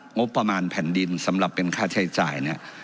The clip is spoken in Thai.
งบประมาณแผ่นดินสำหรับเป็นค่าใช้จ่ายเนี่ย